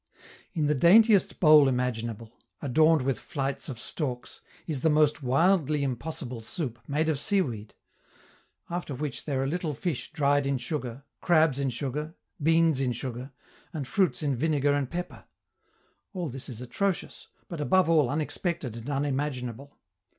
In the daintiest bowl imaginable, adorned with flights of storks, is the most wildly impossible soup made of seaweed. After which there are little fish dried in sugar, crabs in sugar, beans in sugar, and fruits in vinegar and pepper. All this is atrocious, but above all unexpected and unimaginable.